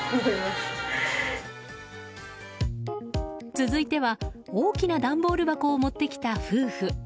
続いては大きな段ボール箱を持ってきた夫婦。